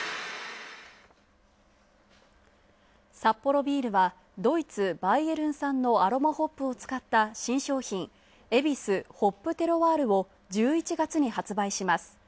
サッポロビールは、ドイツ、バイエルン産のアロマホップをつかった新商品、ヱビス・ホップテロワールを１１月に発売します。